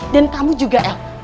dan kamu juga el